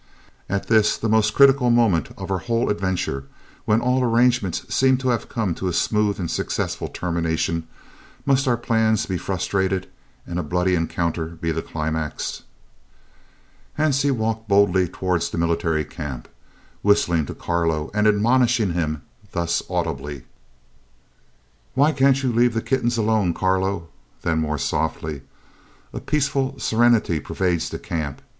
"At this, the most critical moment of our whole adventure, when all arrangements seem to have come to a smooth and successful termination, must our plans be frustrated, and a bloody encounter be the climax?" Hansie walked boldly towards the Military Camp, whistling to Carlo and admonishing him thus audibly: "Why can't you leave the kittens alone, Carlo?" Then more softly: "A peaceful serenity pervades the camp.